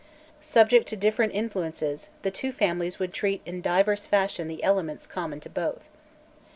Subject to different influences, the two families would treat in diverse fashion the elements common to both.